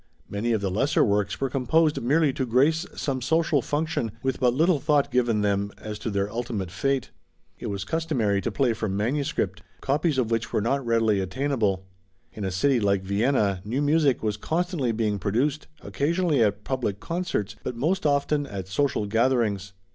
Many of the lesser works were composed merely to grace some social function, with but little thought given them as to their ultimate fate. It was customary to play from manuscript, copies of which were not readily attainable. In a city like Vienna new music was constantly being produced, occasionally at public concerts, but most often at social gatherings.